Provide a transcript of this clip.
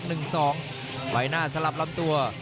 ใบหน้าสลับลำตัว